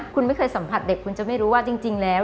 คุณไม่เคยสัมผัสเด็กคุณจะไม่รู้ว่าจริงแล้ว